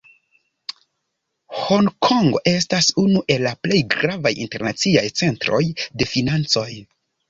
Honkongo estas unu el la plej gravaj internaciaj centroj de financoj.